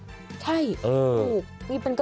มีเป็นการ์ตูน่ะ